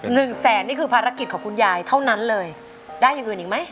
หนึ่งแสนนี่คือภารกิจของคุณยายเท่านั้นเลยได้อย่างอื่นอีกไหม